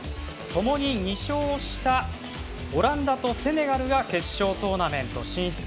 ともに２勝したオランダとセネガルが決勝トーナメント進出。